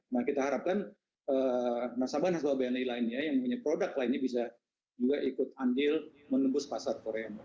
nah kita harapkan masyarakat hobanyi lainnya yang punya produk lainnya juga bisa ikut andil menembus pasar korea